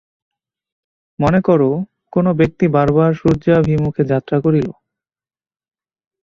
মনে কর, কোন ব্যক্তি বরাবর সূর্যাভিমুখে যাত্রা করিল।